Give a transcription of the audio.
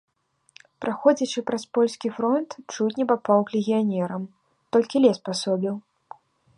Праходзячы праз польскі фронт, чуць не папаў к легіянерам, толькі лес пасобіў.